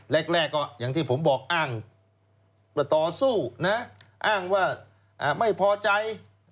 แรกก็อย่างที่ผมบอกอ้างว่าต่อสู้นะอ้างว่าไม่พอใจ